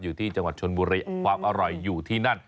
อยู่ที่จังหวัดชนบุรีความอร่อยอยู่ที่นั่น